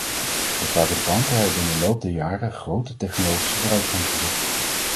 De fabrikanten hebben in de loop der jaren grote technologische vooruitgang geboekt.